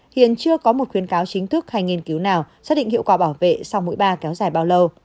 hiện chưa có một khuyên cáo chính thức hay nghiên cứu nào xác định hiệu quả bảo vệ sau mũi ba kéo dài bao lâu